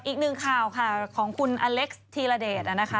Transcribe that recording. อีกหนึ่งข่าวค่ะของคุณอเล็กซ์ธีรเดชนะคะ